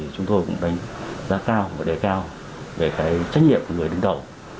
chúng tôi cũng đánh giá cao và đề cao về cái trách nhiệm của người đứng đầu